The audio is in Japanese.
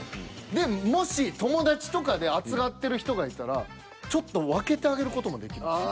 でもし友達とかで暑がってる人がいたらちょっと分けてあげる事もできるんです。